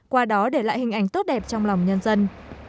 qua đó để lại hình ảnh tốt đẹp trong lòng nhân dân